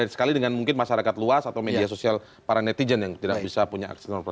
sekali dengan mungkin masyarakat luas atau media sosial para netizen yang tidak bisa punya akses nonton